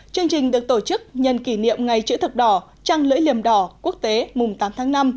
chương trình được tổ chức nhân kỷ niệm ngày chữ thập đỏ trăng lưỡi liềm đỏ quốc tế mùng tám tháng năm